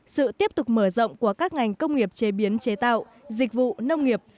sự tiếp tục mở rộng của các ngành công nghiệp chế biến chế tạo dịch vụ nông nghiệp